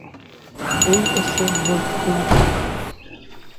Өй эсе боҙ кеүек.